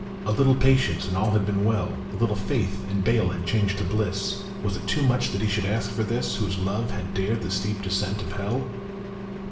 A little patience, and all had been well ; A little faith, and bale had changed to bliss : Was it too much that he should ask for this, Whose love had dared the steep descent of hell?